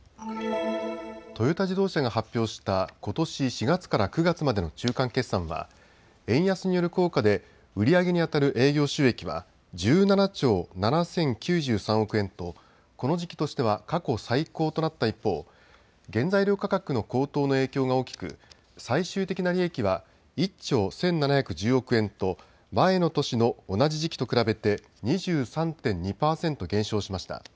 トヨタ自動車が発表したことし４月から９月までの中間決算は円安による効果で売り上げにあたる営業収益は１７兆７０９３億円とこの時期としては過去最高となった一方、原材料価格の高騰の影響が大きく最終的な利益は１兆１７１０億円と前の年の同じ時期と比べて２３．２％減少しました。